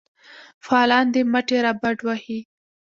فعالان دي مټې رابډ وهي.